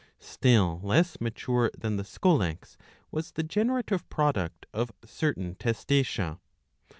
Still less mature than the scolex was the generative product of certain T^itacs^.